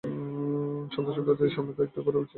সন্তান-সন্ততি সমেত একটা ঘর চেয়েছিলাম।